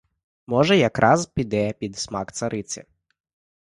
Може, якраз піде під смак цариці.